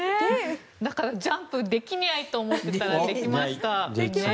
だからジャンプできにゃいと思っていたらできました。